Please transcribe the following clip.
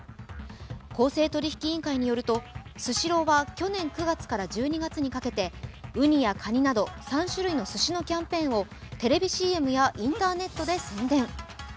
公正取引委員会によるとスシローは去年９月から１２月にかけてウニやカニなど３種類のすしのキャンペーンをテレビＣＭやインターネットで宣伝。